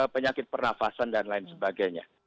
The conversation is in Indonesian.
penyakit pernafasan dan lain sebagainya